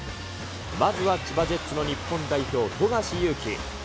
まずは千葉ジェッツの日本代表、富樫勇樹。